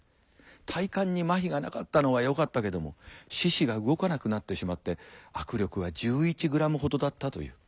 体幹にまひがなかったのはよかったけども四肢が動かなくなってしまって握力は１１ｇほどだったという。